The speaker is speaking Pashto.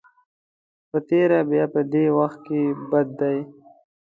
په تېره بیا په دې وخت کې بد دی.